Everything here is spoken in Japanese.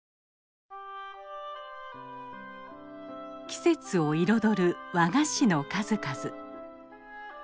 季節を彩る和菓子の数々。